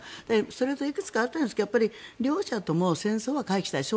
それといくつかあったんですが両者とも戦争は回避したい。